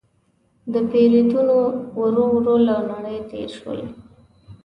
دیپروتودونان ورو ورو له نړۍ تېر شول.